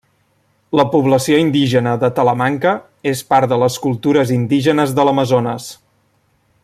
La població indígena de Talamanca és part de les cultures indígenes de l'Amazones.